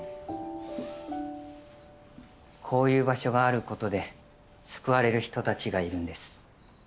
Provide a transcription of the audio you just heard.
こういう場所があることで救われる人たちがいるんです。